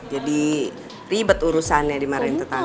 jadi ribet urusannya dimarahin tetangga